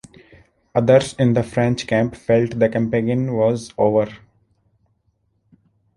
Others in the French camp felt the campaign was over.